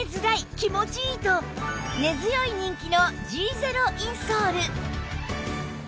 「気持ちいい！」と根強い人気の Ｇ ゼロインソール